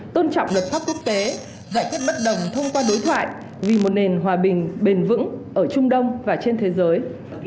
tôn trọng luật pháp quốc tế giải quyết bất đồng thông qua đối thoại vì một nền hòa bình bền vững ở trung đông và trên thế giới